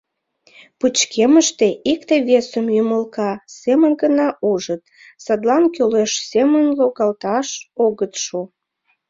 Пычкемыште икте-весым ӱмылка семын гына ужыт, садлан кӱлеш семын логалташ огыт шу.